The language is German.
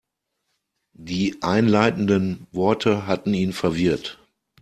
Die einleitenden Worte hatten ihn verwirrt.